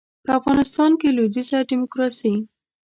په افغانستان کې لویدیځه ډیموکراسي